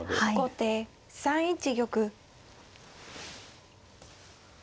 後手３一玉。